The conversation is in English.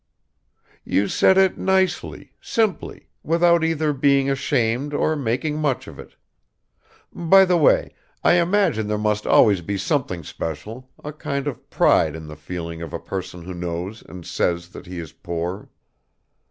"You said it nicely, simply, without either being ashamed or making much of it. By the way, I imagine there must always be something special, a kind of pride in the feeling of a person who knows and says that he is poor."